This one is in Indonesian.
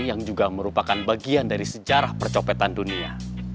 yang juga merupakan bagian dari sejarah percopetan dunia